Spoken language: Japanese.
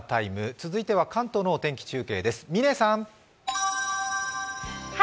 続いては関東のお天気中継です、嶺さん。